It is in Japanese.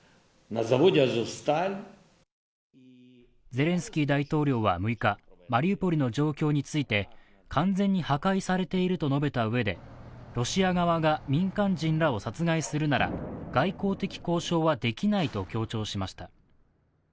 ゼレンスキー大統領は６日、マリウポリの状況について完全に破壊されていると述べたうえで、ロシア側が民間人らを殺害するなら外交的交渉はできないと強調しました。